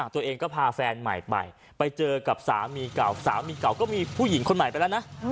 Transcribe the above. ตัวเองก็พาแฟนใหม่ไปไปเจอกับสามีเก่าสามีเก่าก็มีผู้หญิงคนใหม่ไปแล้วนะ